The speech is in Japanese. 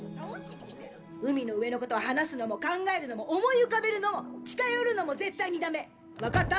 海の上のことを話すのも考えるのも思い浮かべるのも、近寄るのも絶対に駄目、分かった？